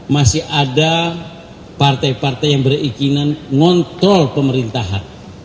masih ada partai partai yang berikinan ngontrol pemerintahan